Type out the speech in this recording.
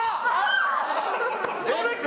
それか！